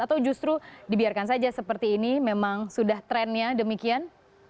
atau justru dibiarkan saja seperti ini memang sudah trennya demikian